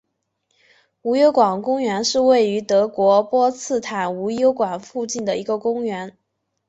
无忧宫公园是位于德国波茨坦无忧宫附近的一座公园。